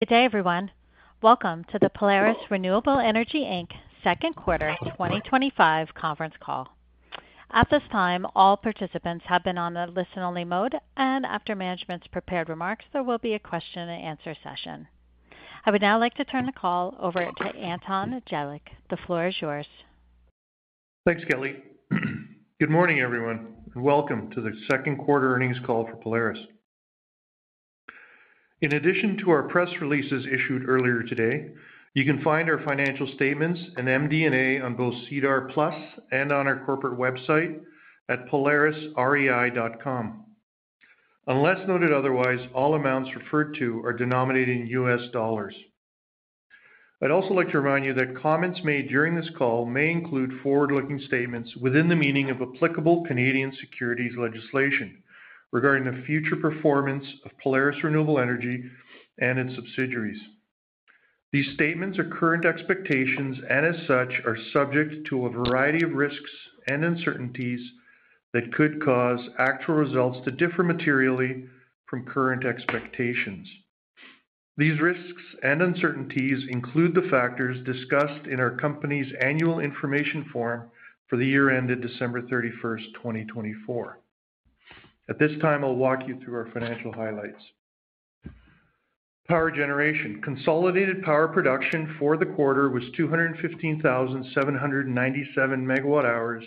Good day everyone. Welcome to the Polaris Renewable Energy Inc. Second Quarter 2025 Conference Call. At this time all participants have been on the listen-only mode and after management's prepared remarks there will be a question-and-answer session. I would now like to turn the call over to Anton Jelic. The floor is yours. Thanks Kelly. Good morning everyone and welcome to the second quarter earnings call for Polaris. In addition to our press releases issued earlier today you can find our financial statements and MD&A on both SEDAR+ and on our corporate website at polarisrei.com. Unless noted otherwise all amounts referred to are denominated in US dollars. I'd also like to remind you that comments made during this call may include forward-looking statements within the meaning of applicable Canadian securities legislation regarding the future performance of Polaris Renewable Energy and its subsidiaries. These statements are current expectations and as such are subject to a variety of risks and uncertainties that could cause actual results to differ materially from current expectations. These risks and uncertainties include the factors discussed in our company's annual information form for the year ended December 31st, 2024. At this time I'll walk you through our financial highlights. Power generation. Consolidated power production for the quarter was 215,797 MWh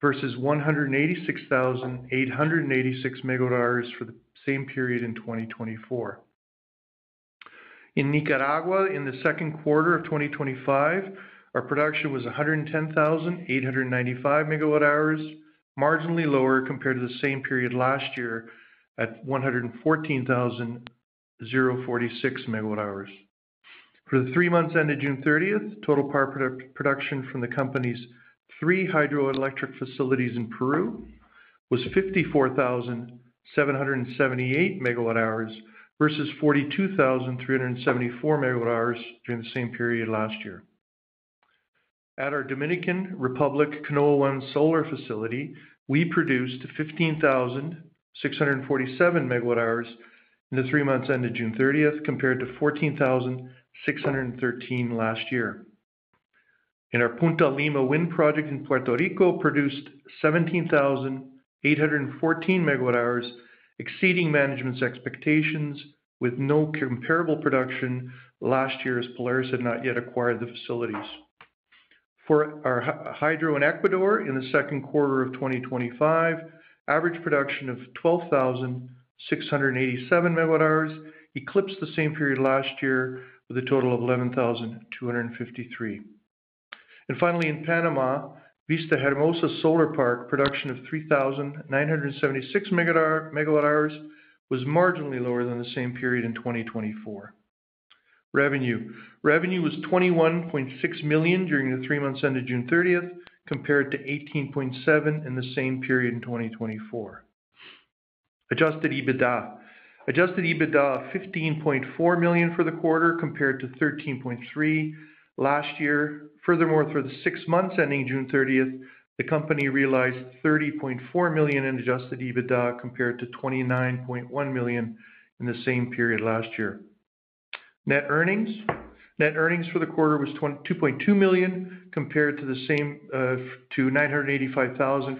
versus 186,886 MWh for the same period in 2024. In Nicaragua in the second quarter of 2025 our production was 110,895 MWh marginally lower compared to the same period last year at 114,046 MWh. For the three months ended June 30th total power production from the company's three hydroelectric facilities in Peru was 54,778 MWh versus 42,374 MWh during the same period last year. At our Dominican Republic Canoa 1 solar facility we produced 15,647 MWh in the three months ended June 30th compared to 14,613 last year. In our Punta Lima Wind Project in Puerto Rico we produced 17,814 MWh exceeding management's expectations with no comparable production last year as Polaris had not yet acquired the facilities. For our hydro in Ecuador in the second quarter of 2025 average production of 12,687 MWh eclipsed the same period last year with a total of 11,253 MWh. Finally in Panama Vista Hermosa Solar Park production of 3,976 MWh was marginally lower than the same period in 2024. Revenue. Revenue was $21.6 million during the three months ended June 30th compared to $18.7 million in the same period in 2024. Adjusted EBITDA. Adjusted EBITDA of $15.4 million for the quarter compared to $13.3 million last year. Furthermore for the six months ending June 30th the company realized $30.4 million in adjusted EBITDA compared to $29.1 million in the same period last year. Net earnings for the quarter were $2.2 million compared to $985,000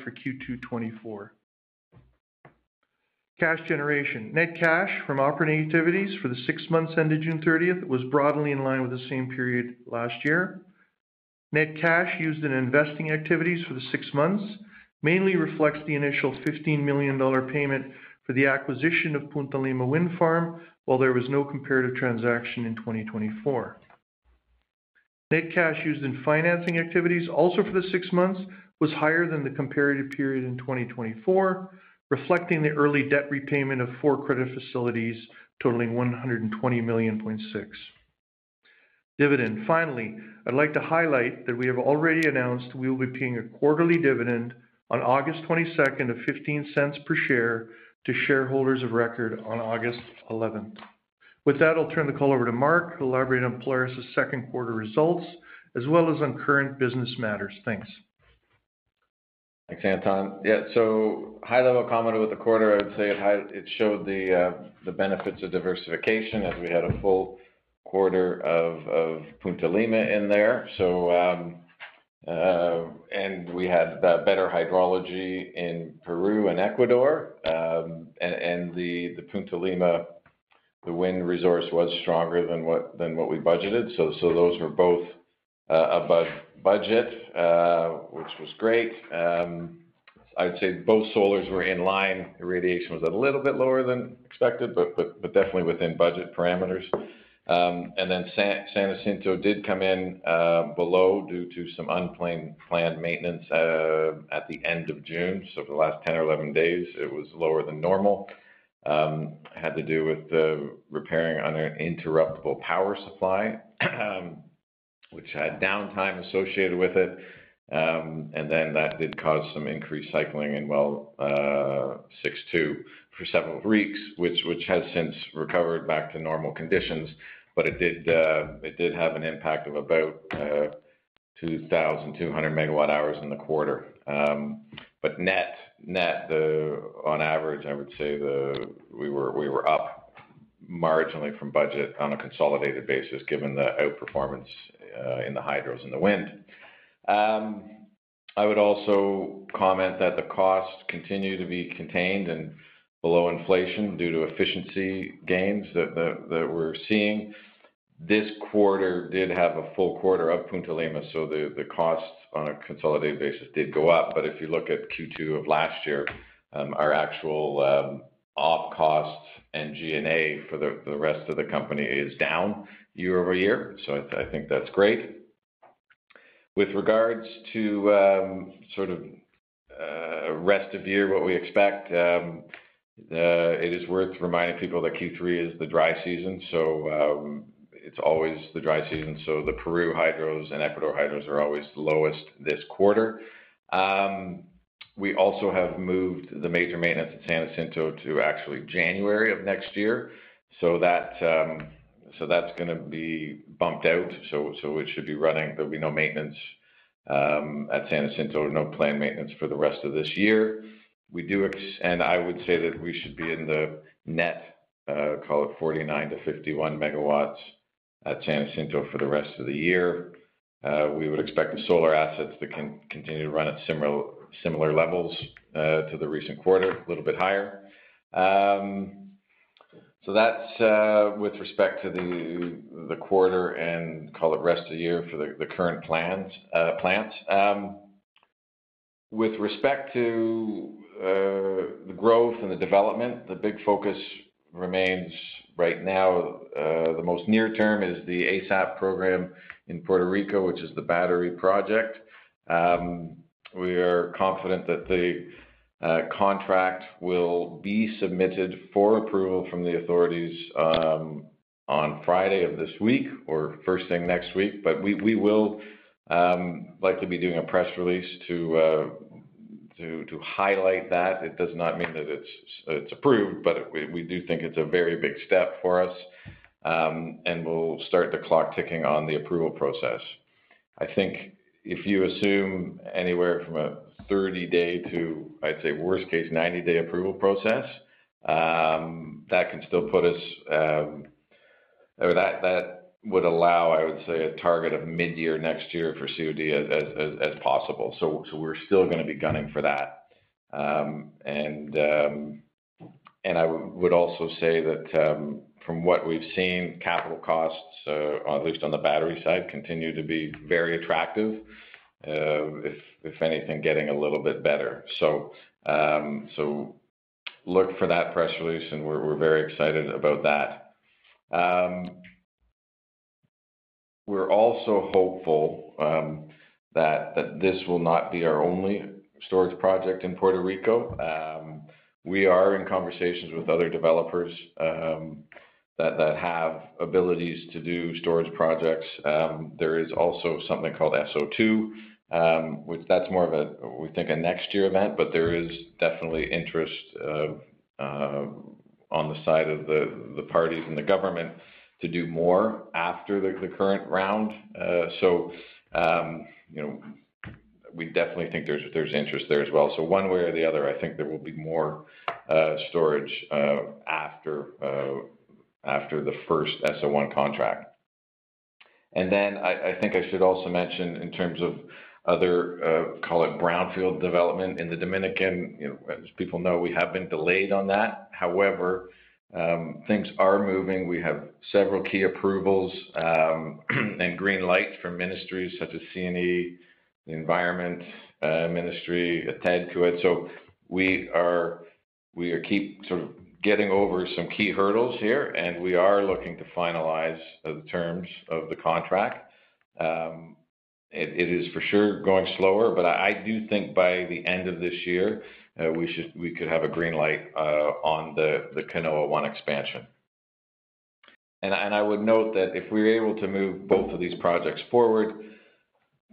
for Q2 2024. Cash generation. Net cash from operating activities for the six months ended June 30th was broadly in line with the same period last year. Net cash used in investing activities for the six months mainly reflects the initial $15 million payment for the acquisition of Punta Lima Wind Farm while there was no comparative transaction in 2024. Net cash used in financing activities also for the six months was higher than the comparative period in 2024 reflecting the early debt repayment of four credit facilities totaling $120.6 million. Dividend. Finally I'd like to highlight that we have already announced we will be paying a quarterly dividend on August 22nd of $0.15 per share to shareholders of record on August 11th. With that I'll turn the call over to Marc who will elaborate on Polaris's second quarter results as well as on current business matters. Thanks. Thanks Anton. Yeah high-level comment about the quarter I'd say it showed the benefits of diversification as we had a full quarter of Punta Lima in there. We had better hydrology in Peru and Ecuador and the Punta Lima wind resource was stronger than what we budgeted. Those were both above budget which was great. I'd say both solars were in line. The radiation was a little bit lower than expected but definitely within budget parameters. San Jacinto did come in below due to some unplanned maintenance at the end of June. For the last 10 or 11 days it was lower than normal. It had to do with repairing on interruptible power supply which had downtime associated with it. That did cause some increased cycling in well 6-2 for several weeks which has since recovered back to normal conditions. It did have an impact of about 2,200 MWh in the quarter. Net-net on average I would say we were up marginally from budget on a consolidated basis given the outperformance in the hydros and the wind. I would also comment that the cost continued to be contained and below inflation due to efficiency gains that we're seeing. This quarter did have a full quarter of Punta Lima so the costs on a consolidated basis did go up. If you look at Q2 of last year our actual op costs and G&A for the rest of the company is down year-over-year. I think that's great. With regards to rest of year what we expect it is worth reminding people that Q3 is the dry season. It's always the dry season. The Peru hydros and Ecuador hydros are always the lowest this quarter. We also have moved the major maintenance at San Jacinto to actually January of next year. That's going to be bumped out. It should be running. There will be no maintenance at San Jacinto no planned maintenance for the rest of this year. I would say that we should be in the net call it 49-51 MW at San Jacinto for the rest of the year. We would expect the solar assets to continue to run at similar levels to the recent quarter a little bit higher. That's with respect to the quarter and rest of the year for the current plans. With respect to the growth and the development the big focus remains right now the most near term is the ASAP battery storage project in Puerto Rico which is the battery project. We are confident that the contract will be submitted for approval from the authorities on Friday of this week or first thing next week. We will likely be doing a press release to highlight that. It does not mean that it's approved but we do think it's a very big step for us and we'll start the clock ticking on the approval process. I think if you assume anywhere from a 30-day to I'd say worst case 90-day approval process that can still put us that would allow I would say a target of mid-year next year for COD as possible. We're still going to be gunning for that. I would also say that from what we've seen capital costs at least on the battery side continue to be very attractive if anything getting a little bit better. Look for that press release and we're very excited about that. We're also hopeful that this will not be our only storage project in Puerto Rico. We are in conversations with other developers that have abilities to do storage projects. There is also something called SO2 which that's more of a we think a next-year event but there is definitely interest on the side of the parties and the government to do more after the current round. We definitely think there's interest there as well. One way or the other I think there will be more storage after the first SO1 contract. I think I should also mention in terms of other call it brownfield development in the Dominican as people know we have been delayed on that. However things are moving. We have several key approvals and green lights from ministries such as C&E environment ministry attend to it. We keep sort of getting over some key hurdles here and we are looking to finalize the terms of the contract. It is for sure going slower but I do think by the end of this year we could have a green light on the Canoa 1 expansion. I would note that if we were able to move both of these projects forward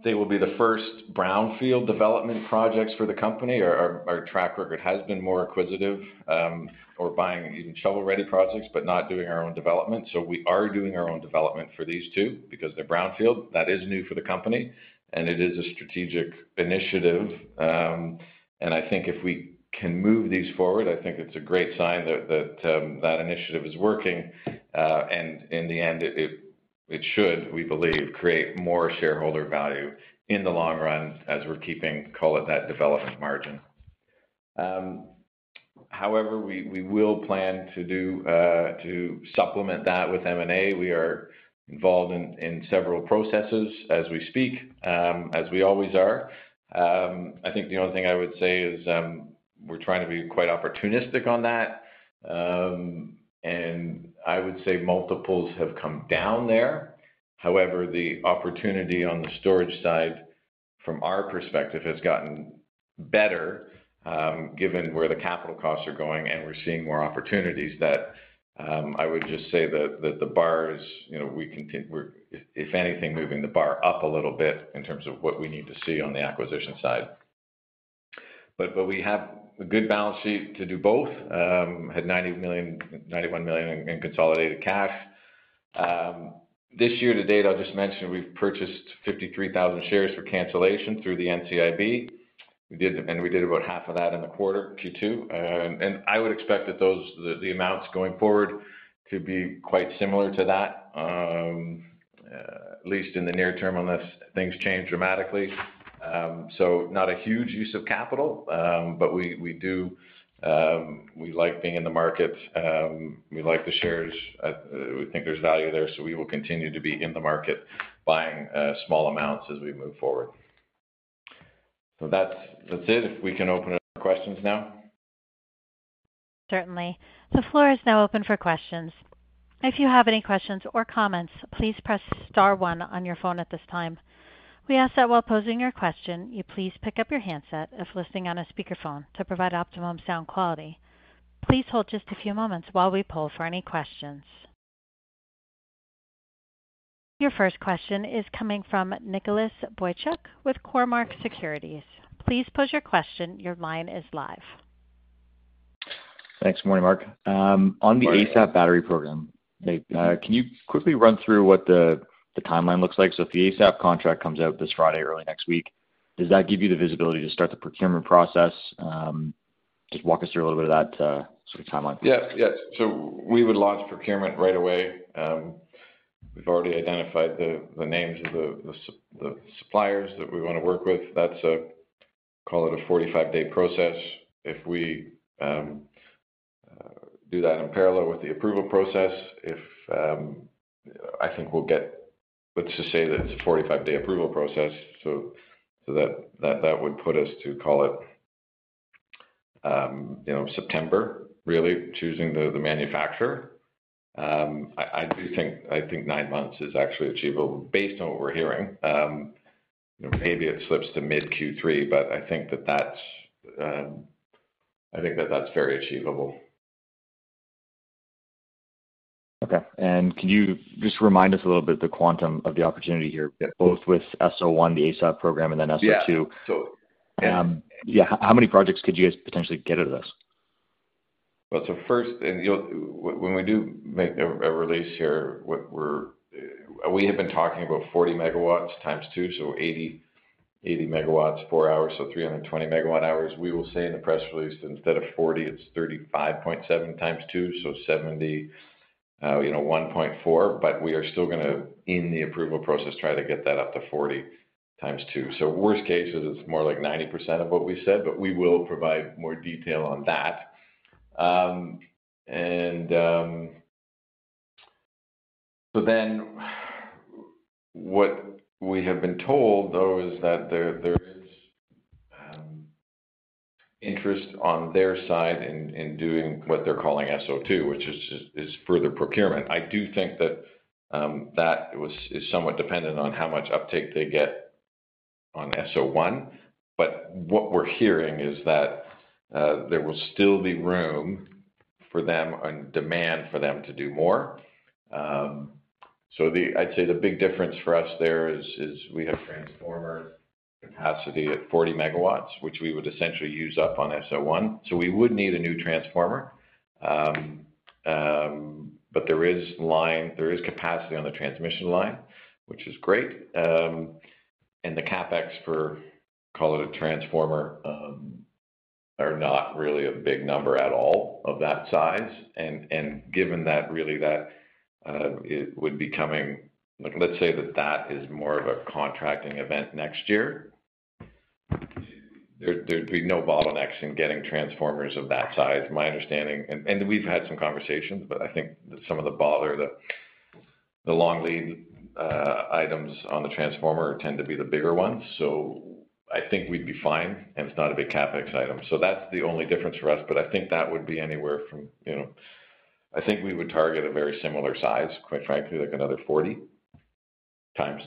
they will be the first brownfield development projects for the company. Our track record has been more acquisitive. We're buying even shovel-ready projects but not doing our own development. We are doing our own development for these two because they're brownfield. That is new for the company and it is a strategic initiative. I think if we can move these forward I think it's a great sign that that initiative is working. In the end it should we believe create more shareholder value in the long run as we're keeping call it that development margin. However we will plan to supplement that with M&A. We are involved in several processes as we speak as we always are. The only thing I would say is we're trying to be quite opportunistic on that. I would say multiples have come down there. However the opportunity on the storage side from our perspective has gotten better given where the capital costs are going and we're seeing more opportunities. I would just say that the bar is we continue if anything moving the bar up a little bit in terms of what we need to see on the acquisition side. We have a good balance sheet to do both. Had $91 million in consolidated cash. This year-to-date I'll just mention we've purchased 53,000 shares for cancellation through the NCIB program. We did about half of that in the quarter Q2. I would expect that the amounts going forward could be quite similar to that at least in the near term unless things change dramatically. Not a huge use of capital but we do we like being in the market. We like the shares. We think there's value there. We will continue to be in the market buying small amounts as we move forward. That's it. If we can open it up for questions now. Certainly. The floor is now open for questions. If you have any questions or comments please press star one on your phone at this time. We ask that while posing your question you please pick up your handset if listening on a speakerphone to provide optimum sound quality. Please hold just a few moments while we poll for any questions. Your first question is coming from Nicholas Boychuk with Cormark Securities. Please pose your question. Your line is live. Thanks. Good morning Marc. On the ASAP battery program can you quickly run through what the timeline looks like? If the ASAP contract comes out this Friday or early next week does that give you the visibility to start the procurement process? Just walk us through a little bit of that sort of timeline. Yes. We would launch procurement right away. We've already identified the names of the suppliers that we want to work with. That's a call it a 45-day process. If we do that in parallel with the approval process I think we'll get let's just say that it's a 45-day approval process. That would put us to call it September really choosing the manufacturer. I do think nine months is actually achievable based on what we're hearing. Maybe it slips to mid-Q3 but I think that that's very achievable. Okay. Can you just remind us a little bit of the quantum of the opportunity here both with SO1 the ASAP program and then SO2? How many projects could you guys potentially get at this? First when we do make a release here we have been talking about 40 MW 2x so 80 MW four hours so 320 MWh. We will say in the press release instead of 40 MW it's 35.7 MW 2x so 71.4 MW. We are still going to in the approval process try to get that up to 40 MW 2x. Worst case is it's more like 90% of what we said but we will provide more detail on that. What we have been told though is that there is interest on their side in doing what they're calling SO2 which is further procurement. I do think that is somewhat dependent on how much uptake they get on SO1. What we're hearing is that there will still be room for them and demand for them to do more. The big difference for us there is we have capacity at 40 MW which we would essentially use up on SO1. We would need a new transformer but there is capacity on the transmission line which is great. The CapEx for call it a transformer is not really a big number at all of that size. Given that it would be coming like let's say that is more of a contracting event next year there'd be no bottlenecks in getting transformers of that size. My understanding and we've had some conversations but I think some of the long lead items on the transformer tend to be the bigger ones. I think we'd be fine and it's not a big CapEx item. That's the only difference for us. I think that would be anywhere from you know we would target a very similar size quite frankly like another 40 MW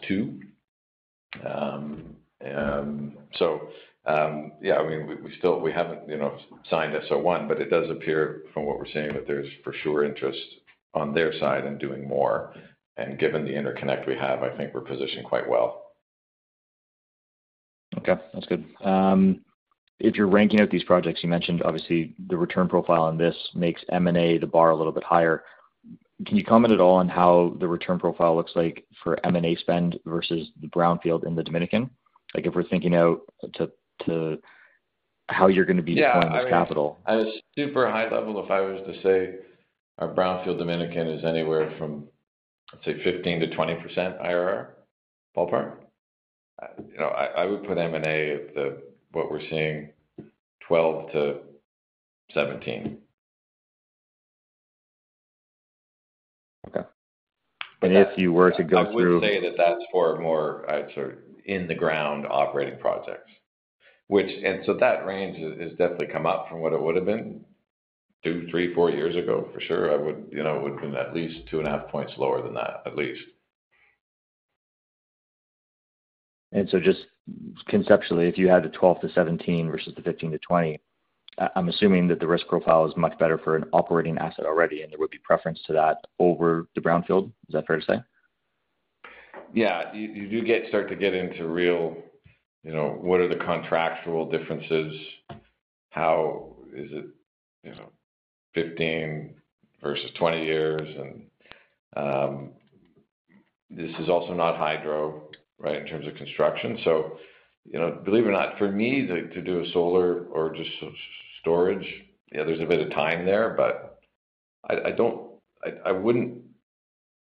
2x. We still haven't signed SO1 but it does appear from what we're saying that there's for sure interest on their side in doing more. Given the interconnect we have I think we're positioned quite well. Okay. That's good. If you're ranking out these projects you mentioned obviously the return profile on this makes M&A the bar a little bit higher. Can you comment at all on how the return profile looks like for M&A spend versus the brownfield in the Dominican? Like if we're thinking out to how you're going to be discounting capital. Yeah I mean at a super high level if I was to say our brownfield Dominican is anywhere from I'd say 15%-20% IRR ballpark. I would put M&A at the what we're seeing 12%-17%. Okay if you were to go through. I would say that that's for a more I'd say in-the-ground operating projects which and so that range has definitely come up from what it would have been two three four years ago for sure. I would you know it would have been at least 2.5 points lower than that at least. Just conceptually if you had the 12%-17% versus the 15%-20% I'm assuming that the risk profile is much better for an operating asset already and there would be preference to that over the brownfield. Is that fair to say? Yeah you do start to get into real you know what are the contractual differences? How is it you know 15 versus 20 years? This is also not hydro right in terms of construction. Believe it or not for me to do a solar or just storage yeah there's a bit of time there but I wouldn't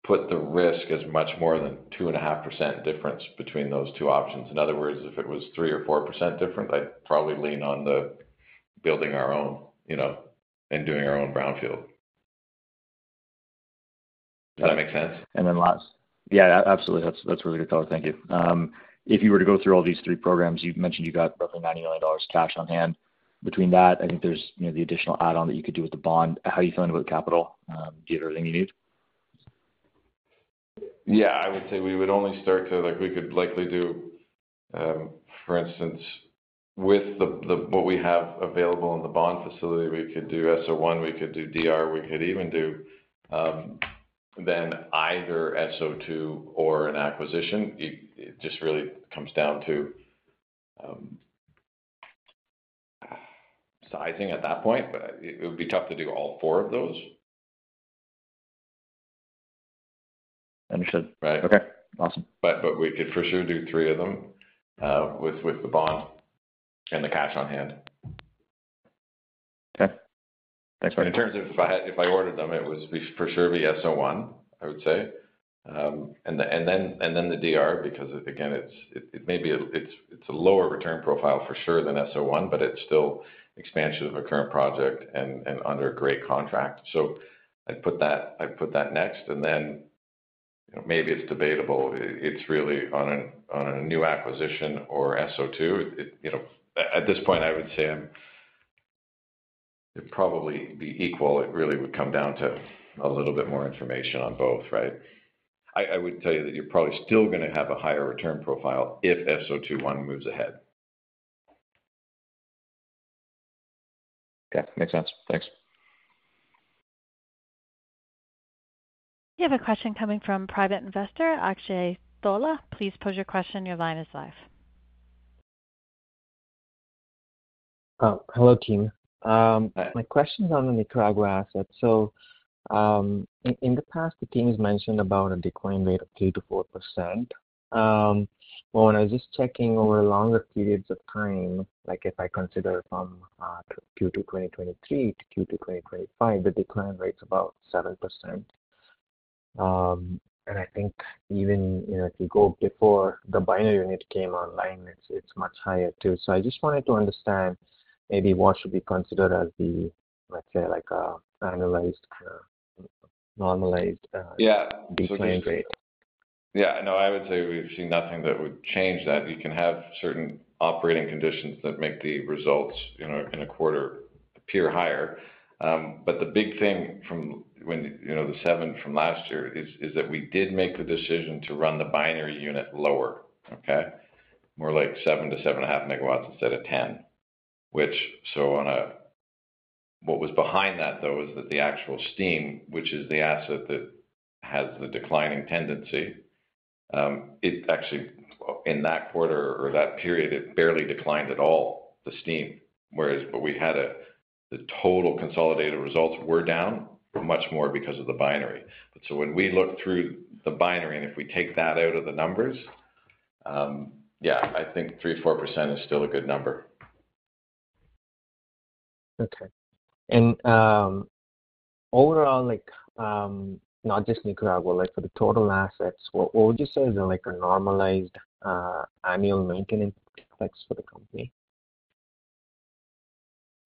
put the risk as much more than 2.5% difference between those two options. In other words if it was 3% or 4% different I'd probably lean on building our own you know and doing our own brownfield. Does that make sense? Last yeah absolutely. That's really good to talk. Thank you. If you were to go through all these three programs you mentioned you've got roughly $90 million cash on hand. Between that I think there's the additional add-on that you could do with the bond. How are you feeling about the capital? Do you have everything you need? Yeah I would say we would only start to like we could likely do for instance with what we have available in the bond facility we could do SO1 we could do DR we could even do then either SO2 or an acquisition. It just really comes down to sizing at that point but it would be tough to do all four of those. Understood. Right. Okay. Awesome. We could for sure do three of them with the bond and the cash on hand. Okay. Thanks Marc. In terms of if I ordered them it would for sure be SO1 I would say. The DR because again maybe it's a lower return profile for sure than SO1 but it's still expansion of a current project and under a great contract. I'd put that next. Maybe it's debatable if it's really on a new acquisition or SO2. At this point I would say it'd probably be equal. It really would come down to a little bit more information on both right? I would tell you that you're probably still going to have a higher return profile if SO2 1 moves ahead. Okay makes sense. Thanks. We have a question coming from private investor Akshay Tola. Please pose your question. Your line is live. Hello team. My question is on the Nicaragua asset. In the past the team has mentioned about a declining rate of 3%-4%. When I was just checking over longer periods of time like if I consider from Q2 2023 to Q2 2025 the decline rate's about 7%. I think even you know if you go before the buyer unit came online it's much higher too. I just wanted to understand maybe what should be considered as the let's say like an annualized kind of normalized declining rate. Yeah. Yeah. No I would say we've seen nothing that would change that. You can have certain operating conditions that make the results in a quarter appear higher. The big thing from when you know the 7 MW from last year is that we did make the decision to run the binary unit lower okay? More like 7 MW-7.5 MW instead of 10 MW. What was behind that though is that the actual steam which is the asset that has the declining tendency it actually in that quarter or that period it barely declined at all the steam. Whereas what we had the total consolidated results were down much more because of the binary. When we look through the binary and if we take that out of the numbers yeah I think 3% 4% is still a good number. Okay. Overall not just Nicaragua for the total assets what would you say is a normalized annual maintenance expense for the company?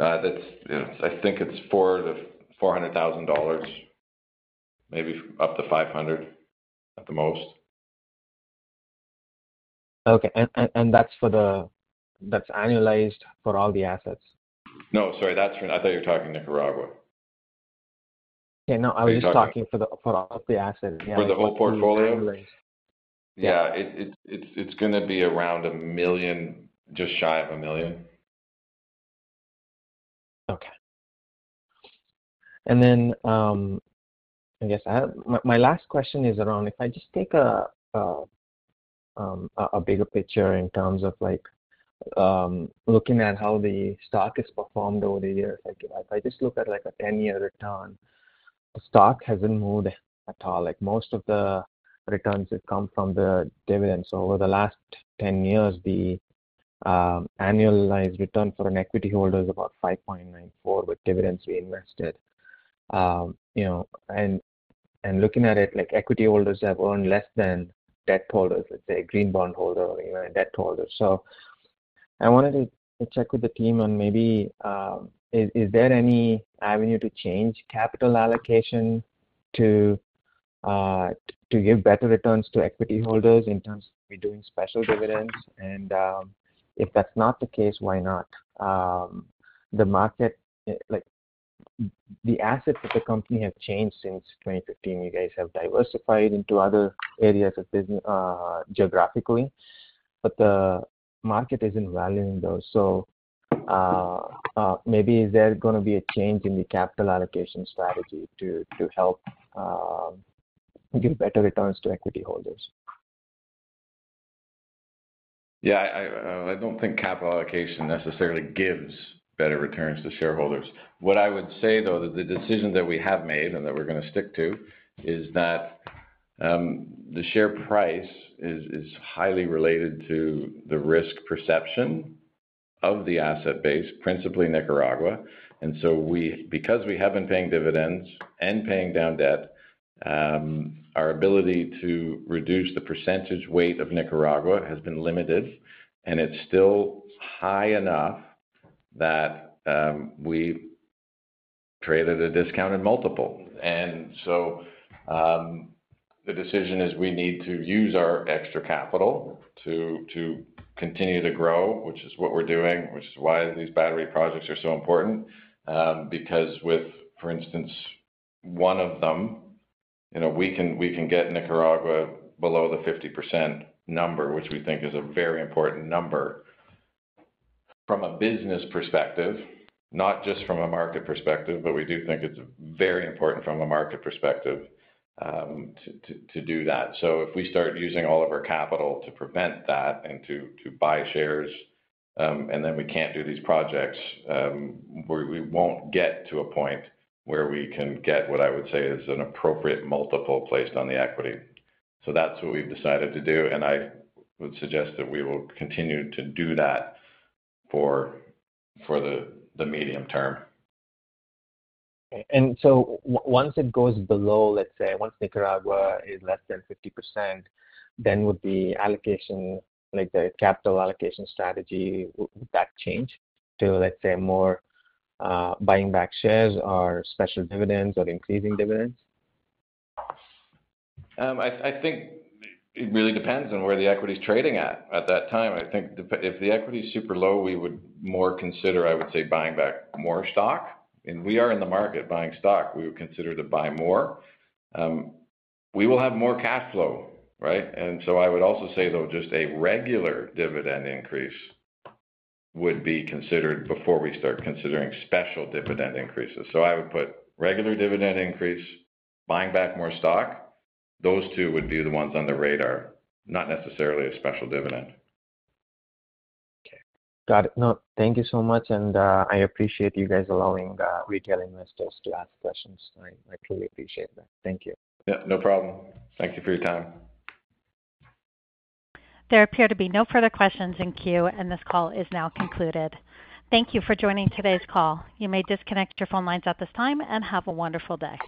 I think it's for the $400,000 maybe up to $500,000 at the most. Okay. That's annualized for all the assets? No sorry that's for I thought you were talking Nicaragua. Yeah. No I was just talking for all of the assets. For the whole portfolio yeah it's going to be around $1 million just shy of $1 million. Okay. I guess my last question is around if I just take a bigger picture in terms of looking at how the stock has performed over the year. If I just look at a 10-year return the stock hasn't moved at all. Most of the returns have come from the dividends. Over the last 10 years the annualized return for an equity holder is about 5.94% with dividends reinvested. You know looking at it equity holders have earned less than debt holders let's say a green bond holder or even a debt holder. I wanted to check with the team on maybe is there any avenue to change capital allocation to give better returns to equity holders in terms of doing special dividends? If that's not the case why not? The market the assets of the company have changed since 2015. You guys have diversified into other areas of business geographically. The market isn't valuing those. Maybe is there going to be a change in the capital allocation strategy to help give better returns to equity holders? Yeah I don't think capital allocation necessarily gives better returns to shareholders. What I would say though is that the decision that we have made and that we're going to stick to is that the share price is highly related to the risk perception of the asset base principally Nicaragua. Because we have been paying dividends and paying down debt our ability to reduce the percentage weight of Nicaragua has been limited. It's still high enough that we trade at a discounted multiple. The decision is we need to use our extra capital to continue to grow which is what we're doing which is why these battery projects are so important. With for instance one of them we can get Nicaragua below the 50% number which we think is a very important number from a business perspective not just from a market perspective but we do think it's very important from a market perspective to do that. If we start using all of our capital to prevent that and to buy shares and then we can't do these projects we won't get to a point where we can get what I would say is an appropriate multiple placed on the equity. That's what we've decided to do. I would suggest that we will continue to do that for the medium term. Once it goes below let's say once Nicaragua is less than 50% would the allocation like the capital allocation strategy change to let's say more buying back shares or special dividends or increasing dividends? I think it really depends on where the equity is trading at at that time. I think if the equity is super low we would more consider I would say buying back more stock. We are in the market buying stock. We would consider to buy more. We will have more cash flow right? I would also say though just a regular dividend increase would be considered before we start considering special dividend increases. I would put regular dividend increase buying back more stock. Those two would be the ones on the radar not necessarily a special dividend. Okay. Got it. No thank you so much. I appreciate you guys allowing retail investors to ask questions. I truly appreciate that. Thank you. Yeah no problem. Thank you for your time. There appear to be no further questions in queue and this call is now concluded. Thank you for joining today's call. You may disconnect your phone lines at this time and have a wonderful day.